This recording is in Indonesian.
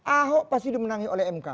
ahok pasti dimenangi oleh mk